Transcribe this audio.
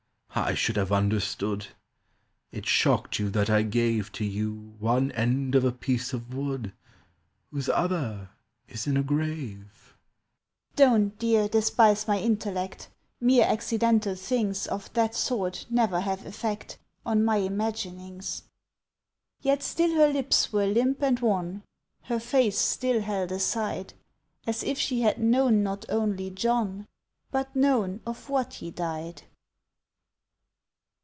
I should have understood! It shocked you that I gave To you one end of a piece of wood Whose other is in a grave?" "Don't, dear, despise my intellect, Mere accidental things Of that sort never have effect On my imaginings." Yet still her lips were limp and wan, Her face still held aside, As if she had known not only John, But known of what he died.